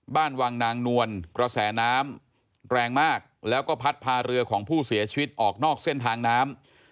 บ้านวังนางนวลกระแสน้ำแรงมากแล้วก็พัดพาเรือของผู้เสียชีวิตออกนอกเส้นทางน้ำ